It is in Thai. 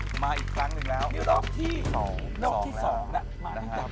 แจ๊คจิลวันนี้เขาสองคนไม่ได้มามูเรื่องกุมาทองอย่างเดียวแต่ว่าจะมาเล่าเรื่องประสบการณ์นะครับ